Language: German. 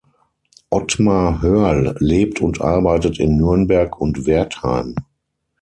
Ottmar Hörl lebt und arbeitet in Nürnberg und Wertheim.